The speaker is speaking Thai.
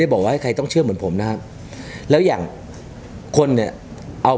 ผมไม่ได้บอกว่าให้ใครก็ต้องเชื่อกับเหมือนผมนะครับแล้วอย่างคนเนี่ย